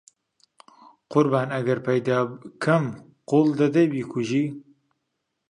قوربان ئەگەر پەیدا کەم قەول دەدەی بیکوژی؟